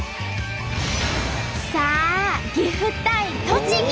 さあ岐阜対栃木！